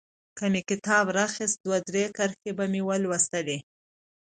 که مې کتاب رااخيست دوه درې کرښې به مې ولوستلې.